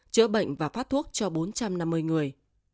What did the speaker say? chữa bệnh và phát thuốc cho bốn trăm năm mươi người